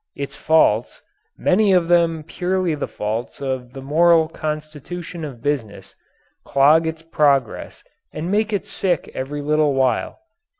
Its faults, many of them purely the faults of the moral constitution of business, clog its progress and make it sick every little while.